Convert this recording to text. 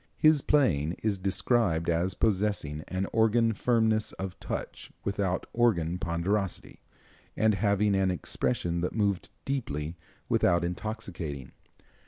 His playing is described as possessing an organ firmness of touch without organ ponderosity, and having an expression that moved deeply without intoxicating.